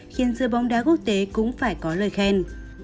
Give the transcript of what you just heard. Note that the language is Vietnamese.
khiến dưa bóng đá quốc tế cũng phải có lời khen